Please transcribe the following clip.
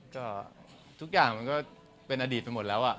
ก็ทุกอย่างมันก็เป็นอดีตไปหมดแล้ว